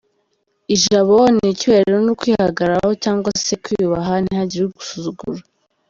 Ijabo: ni icyubahiro, ni ukwihagararaho cyangwa se kwiyubaha ntihagire ugusuzura.